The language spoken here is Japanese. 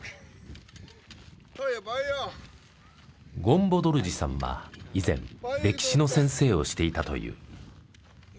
ゴンボドルジさんは以前歴史の先生をしていたという。